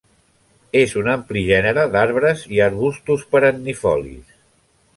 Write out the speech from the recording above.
És un ampli gènere d'arbres i arbustos perennifolis.